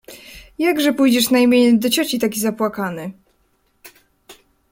— Jakże pójdziesz na imieniny do cioci taki zapłakany!